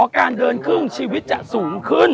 อ๋อการเดินขึ้นชีวิตจะสูงขึ้น